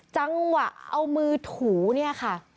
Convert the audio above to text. จังหวะเอามือถูเนี่ยค่ะ